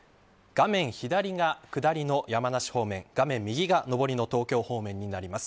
画面左が下りの山梨方面画面右が上りの東京方面になります。